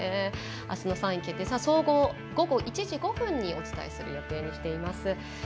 あすの３位決定戦は総合、午後１時５分にお伝えする予定です。